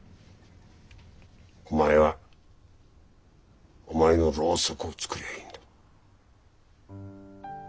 お前はお前のろうそくを作りゃいいんだ。